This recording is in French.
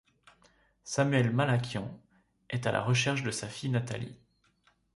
Samuel Malakian est à la recherche de sa fille Nathalie.